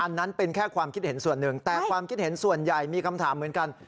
อันนั้นเป็นแค่ความคิดเห็นส่วนหนึ่งแต่ความคิดเห็นส่วนใหญ่มีคำถามเหมือนกัน